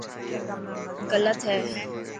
گلت هي.